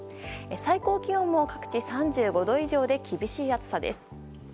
最高気温も各地３５度以上で厳しい暑さです。